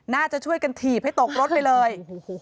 น่าจะช่วยกันถีบให้ตกรถไปเลย